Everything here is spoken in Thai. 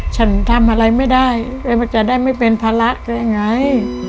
ฉันทำอะไรไม่ได้มันจะได้ไม่เป็นภาระได้ไง